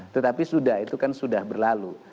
tetapi sudah itu kan sudah berlalu